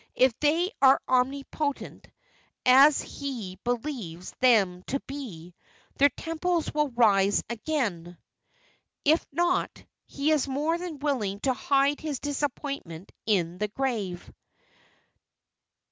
If they are omnipotent, as he believes them to be, their temples will rise again; if not, he is more than willing to hide his disappointment in the grave!"